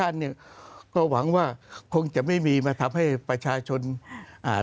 เนี่ยก็หวังว่าคงจะไม่มีมาทำให้ประชาชนอ่า